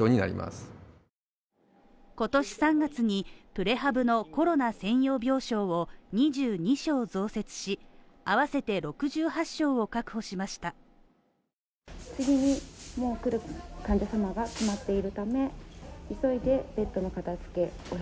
今年３月にプレハブのコロナ専用病床を２２床増設し合わせて６８床を確保しました。